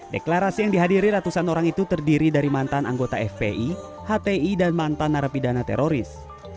deklarasi yang dihadiri ratusan orang itu terdiri dari mantan anggota fpi hti dan mantan narapidana teroris